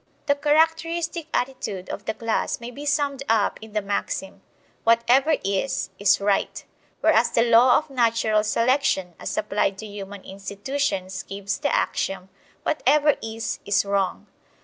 The characteristic attitude of the class may be summed up in the maxim: "Whatever is, is right" whereas the law of natural selection, as applied to human institutions, gives the axiom: "Whatever is, is wrong."